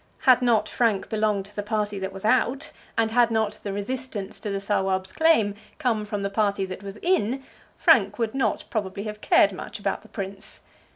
Had not Frank belonged to the party that was out, and had not the resistance to the Sawab's claim come from the party that was in, Frank would not probably have cared much about the prince.